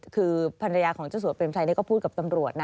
คือภรรยาของเจ้าสัวเปรมชัยก็พูดกับตำรวจนะ